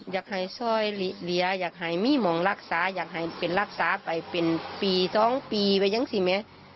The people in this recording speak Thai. อยากให้ซอยเหลืออยากให้มีหมองรักษาอยากให้เป็นรักษาไปเป็นปี๒ปีไปยังสิแม่